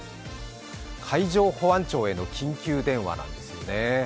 海上保安庁への緊急電話なんですね。